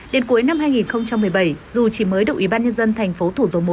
đến cuối năm hai nghìn một mươi bảy dù chỉ mới đồng ý ban nhân dân thành phố thủ dòng một